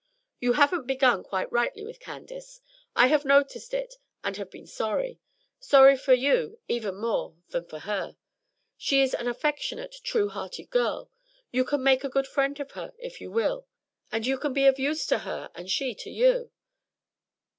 "You haven't begun quite rightly with Candace. I have noticed it, and have been sorry, sorry for you even more than for her. She is an affectionate, true hearted girl. You can make a good friend of her if you will; and you can be of use to her and she to you."